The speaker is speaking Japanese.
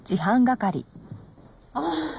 ああ！